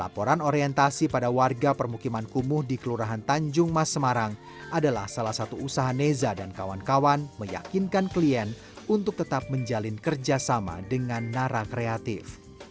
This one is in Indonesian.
laporan orientasi pada warga permukiman kumuh di kelurahan tanjung mas semarang adalah salah satu usaha neza dan kawan kawan meyakinkan klien untuk tetap menjalin kerjasama dengan nara kreatif